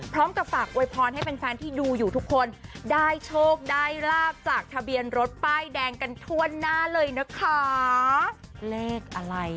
พร้อมกับฝากโวยพรให้แฟนแฟนที่ดูอยู่ทุกคนได้โชคได้ลาบจากทะเบียนรถป้ายแดงกันทั่วหน้าเลยนะคะเลขอะไร